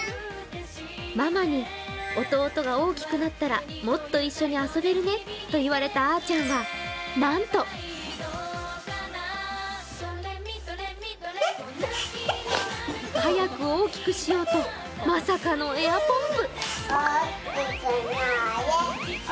ママに弟が大きくなったら、もっと一緒に遊べるねと言われたあーちゃんは、なんと早く大きくしようとまさかのエアポンプ。